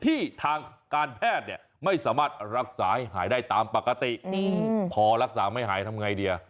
ที่ทางการแพทย์เนี่ยไม่สามารถรักษาให้หายได้ตามปกติพอรักษาไม่หายทำไงดี